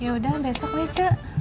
yaudah besok nih ce